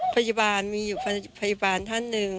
พยาบาลมีอยู่พยาบาลท่านหนึ่ง